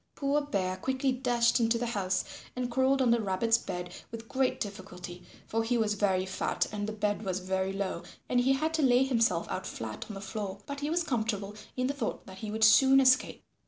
Poor Bear quickly dashed into the house and crawled under Rabbit's bed with great difficulty for he was very fat and the bed was very low and he had to lay himself out flat on the floor, but he was comfortable in the thought that he would soon escape.